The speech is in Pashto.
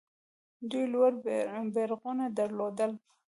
دوی لوړ بیرغونه درلودل